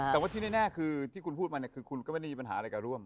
แต่ว่าที่แน่คือที่คุณพูดมาเนี่ยคือคุณก็ไม่ได้มีปัญหาอะไรกับร่วม